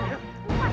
kami tidak mau